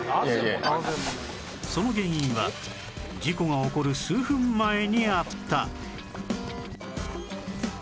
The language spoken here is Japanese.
その原因は事故が起こる数分前にあった